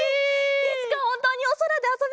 いつかほんとうにおそらであそべるといいね！